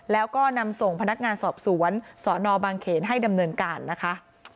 แล้วก็นำส่งพนักงานสอบสวนสนบางเขนให้ดำเนินการนะคะ